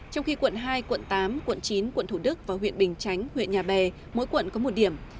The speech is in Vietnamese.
trong khi quận hai quận tám quận chín quận thủ đức và huyện bình chánh huyện nhà bè mỗi quận có một điểm